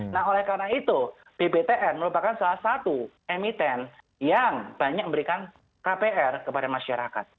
nah oleh karena itu bbtn merupakan salah satu emiten yang banyak memberikan kpr kepada masyarakat